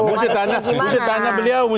masih tanya beliau